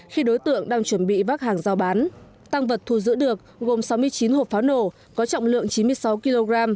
khi đối tượng đang chuẩn bị vác hàng giao bán tăng vật thu giữ được gồm sáu mươi chín hộp pháo nổ có trọng lượng chín mươi sáu kg